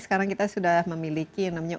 sekarang kita sudah memiliki namanya